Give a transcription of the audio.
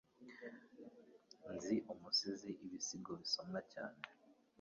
Nzi umusizi ibisigo bisomwa cyane.